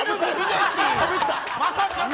まさかの！